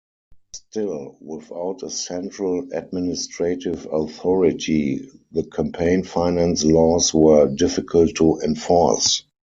Still, without a central administrative authority, the campaign finance laws were difficult to enforce.